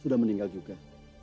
sudah meninggal juga